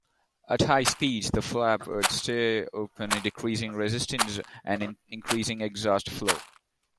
At high speeds, the flap would stay open, decreasing resistance and increasing exhaust flow.